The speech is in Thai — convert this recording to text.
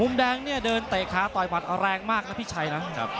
มุมแดงเนี่ยเดินเตะค้าตอยบัตรแรงมากนะพี่ชัยนะ